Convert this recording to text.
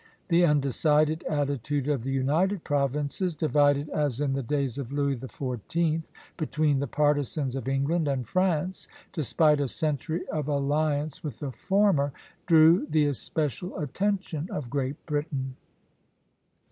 The undecided attitude of the United Provinces, divided as in the days of Louis XIV. between the partisans of England and France, despite a century of alliance with the former, drew the especial attention of Great Britain.